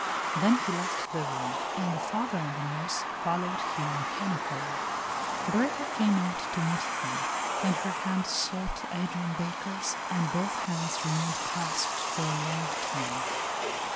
Then he left the room, and the father and the nurse followed him mechanically. Berta came out to meet them, and her hand sought Adrian Baker's, and both hands remained clasped for a long time.